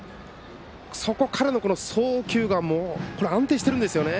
そこからの送球が安定しているんですよね